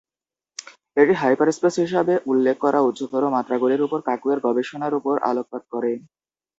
এটি হাইপারস্পেস হিসাবে উল্লেখ করা উচ্চতর মাত্রাগুলির উপর কাকু এর গবেষণার উপর আলোকপাত করে।